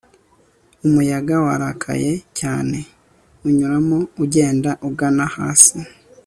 Umuyaga warakaye cyane unyuramo ugenda ugana hasi